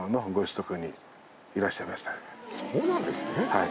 はい。